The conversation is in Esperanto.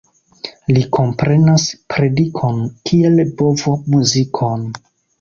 Li komprenas predikon, kiel bovo muzikon.